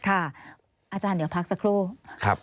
อาจารย์เดี๋ยวพักสักครู่